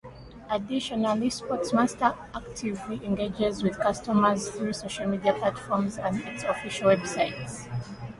Additionally, Sportmaster actively engages with customers through social media platforms and its official website.